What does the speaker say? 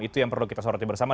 itu yang perlu kita soroti bersama